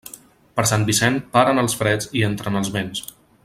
Per Sant Vicent, paren els freds i entren els vents.